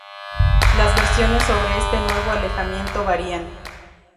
Las versiones sobre este nuevo alejamiento varían.